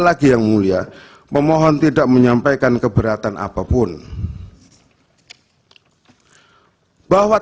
lagi yang mulia pemohon tidak menyampaikan keberatan apapun bahwa